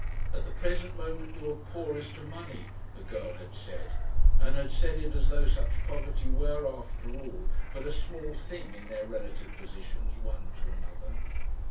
"At the present moment you are poor as to money," the girl had said, and had said it as though such poverty were, after all, but a small thing in their relative positions one to another.